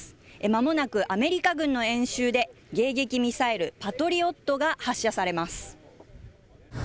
まもなくアメリカ軍の演習で迎撃ミサイル、パトリオットが発射されます。